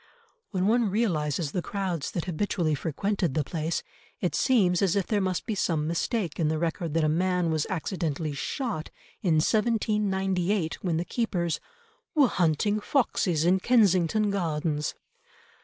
When one realises the crowds that habitually frequented the place it seems as if there must be some mistake in the record that a man was accidentally shot in 1798 when the keepers "were hunting foxes in Kensington Gardens!"